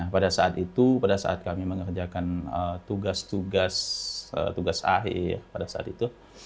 pada saat itu pada saat kami mengerjakan tugas tugas tugas akhir